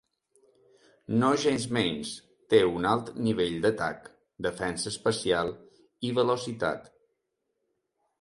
Nogensmenys, té un alt nivell d'atac, defensa especial i velocitat.